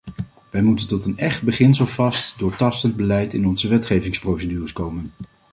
Wij moeten tot een echt beginselvast, doortastend beleid in onze wetgevingsprocedures komen.